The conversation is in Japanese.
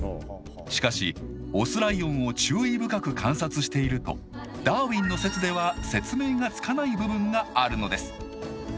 しかしオスライオンを注意深く観察しているとダーウィンの説では説明がつかない部分があるのです。